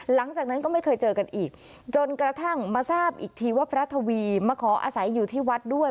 หลังจากนั้นก็ไม่เคยเจอกันอีกจนกระทั่งมาทราบอีกทีว่าพระทวีมาขออาศัยอยู่ที่วัดด้วย